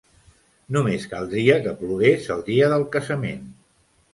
Només caldria que plogués el dia del casament.